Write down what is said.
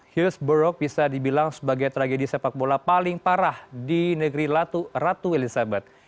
hilsburg bisa dibilang sebagai tragedi sepak bola paling parah di negeri ratu elizabeth